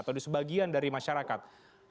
atau di sebagian dari masyarakat